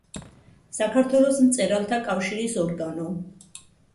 საქართველოს მწერალთა კავშირის ორგანო.